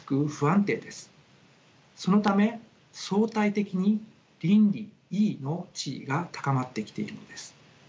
そのため相対的に倫理の地位が高まってきているのです。